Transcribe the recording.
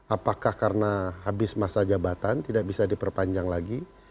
apakah karena habis masa jabatan tidak bisa diperpanjang lagi